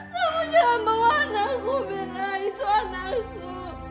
kamu jangan bawa anakku bella itu anakku